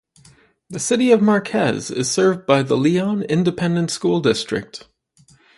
The City of Marquez is served by the Leon Independent School District.